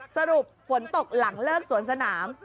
สรุปฝนตกหลังเลิกสวนสนาม